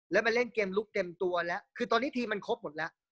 แล้วมาเล่นเกมลุกเต็มตัวแล้วคือตอนนี้ทีมมันครบหมดแล้ว